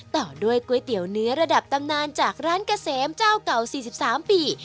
ต่อด้วยก๋วยเตี๋ยวเนื้อระดับตำนานจากร้านเกษมเจ้าเก่า๔๓ปี